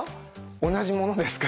同じものですか？